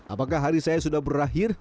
apakah hari saya sudah berakhir